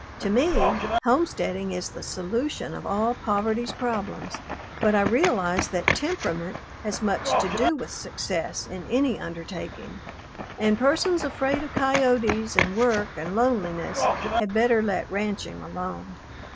To me, homesteading is the solution of all poverty's problems, but I realize that temperament has much to do with success in any undertaking, and persons afraid of coyotes and work and loneliness had better let ranching alone.